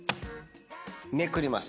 めくります。